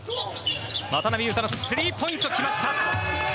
渡邊雄太のスリーポイント来ました。